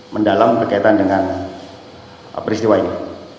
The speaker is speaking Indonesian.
mendalam berkaitan dengan peristiwa ini